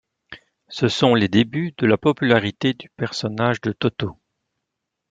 Ce sont les débuts de la popularité du personnage de Toto.